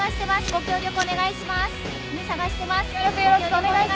ご協力お願いします。